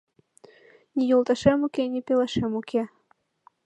Ни йолташем уке, ни пелашем уке